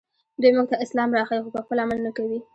دوی موږ ته اسلام راښيي خو پخپله عمل نه کوي